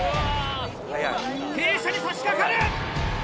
傾斜に差しかかる！